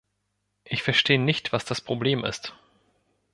Ich verstehe nicht, was das Problem ist.